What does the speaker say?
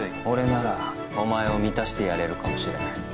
俺ならお前を満たしてやれるかもしれない。